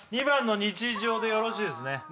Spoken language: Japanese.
２番の「日常」でよろしいですね